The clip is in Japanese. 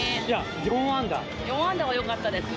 ４安打はよかったです。